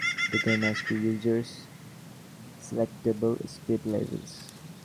The game has two user-selectable speed levels.